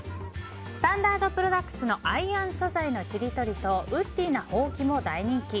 スタンダードプロダクツのアイアン素材のちりとりとウッディーな、ほうきも大人気。